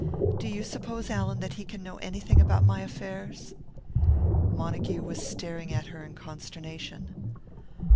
Do you suppose, Allan, that he can know anything about my affairs?" Montague was staring at her in consternation.